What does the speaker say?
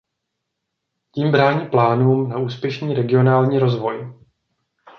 Tím brání plánům na úspěšný regionální rozvoj.